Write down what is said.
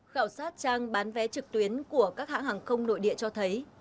khảo sát trang bán vé trực tuyến của các hãng hàng không nội địa cho thấy